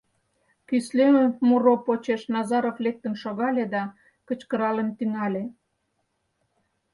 Кӱсле муро почеш Назаров лектын шогале да кычкыралын тӱҥале: